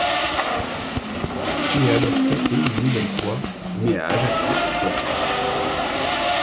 Il est alors prêté une nouvelle fois, mais à Ajaccio cette fois ci.